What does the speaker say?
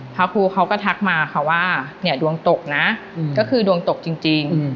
พระครูเขาก็ทักมาค่ะว่าเนี่ยดวงตกนะก็คือดวงตกจริง